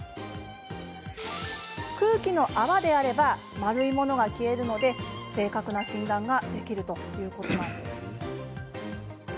空気の泡であれば丸いものが消えるので正確な診断ができるんだそうです。